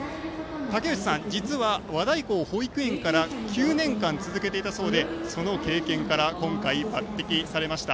たけうちさん、実は和太鼓を保育園から９年間続けていたそうでその経験から今回抜擢されました。